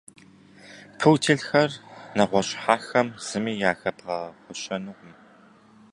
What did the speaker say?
Пуделхэр нэгъуэщӏ хьэхэм зыми яхэбгъэгъуэщэнукъым.